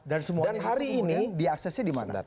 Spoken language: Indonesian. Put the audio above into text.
dan semuanya kemudian diaksesnya dimana